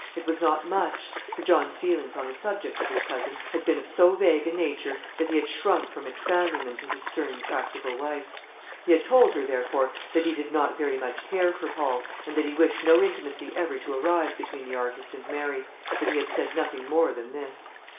It was not much; for John's feelings on the subject of his cousin had been of so vague a nature that he had shrunk from expounding them to his stern, practical wife. He had told her, therefore, that he did not very much care for Paul, and that he wished no intimacy ever to arise between the artist and Mary; but he had said nothing more than this.